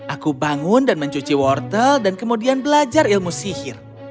aku bangun dan mencuci wortel dan kemudian belajar ilmu sihir